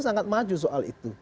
sangat maju soal itu